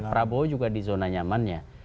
prabowo juga di zona nyamannya